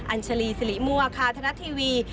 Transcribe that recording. ัญชาลีสิริมั่วคาทนัดทีวี